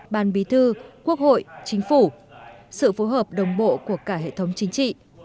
ban bí thư quốc hội chính phủ sự phối hợp đồng bộ của cả hệ thống chính trị